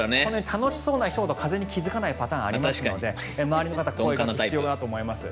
楽しそうな人だと風邪に気付かない時がありますので周りの方、工夫が必要だなと思います。